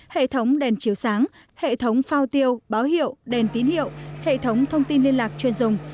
hệ thống đèn chiếu sáng hệ thống phao tiêu báo hiệu đèn tín hiệu hệ thống thông tin liên lạc chuyên dùng